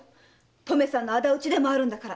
とめさんの仇討ちでもあるんだから。